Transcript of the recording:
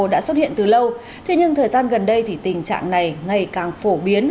đã xuất hiện từ lâu thế nhưng thời gian gần đây thì tình trạng này ngày càng phổ biến